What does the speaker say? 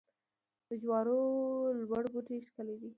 د جوارو لوړ بوټي ښکلي دي.